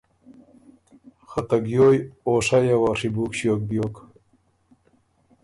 خه ته ګیویٛ او ”شئ“ یه وه ڒیبُوک ݭیوک بیوک۔